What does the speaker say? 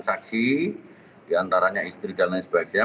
saksi diantaranya istri dan lain sebagainya